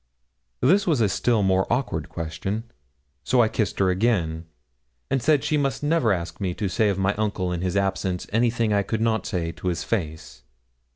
This was a still more awkward question; so I kissed her again, and said she must never ask me to say of my uncle in his absence anything I could not say to his face.